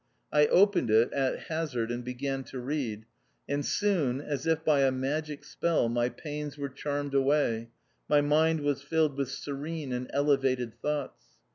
I opened it at hazard and began to read ; and soon, as if by a magic spel4, my pains were charmed away, my mind was filled with serene and elevated thoughts.